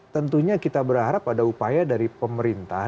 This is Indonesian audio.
tentunya kita berharap ada upaya dari pemerintah